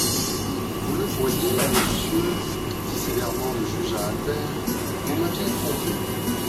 Vous le voyez, monsieur, dit sévèrement le juge à Albert, vous m'aviez trompé.